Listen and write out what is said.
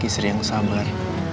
istri yang sabar